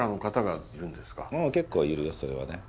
結構いるよそれはね。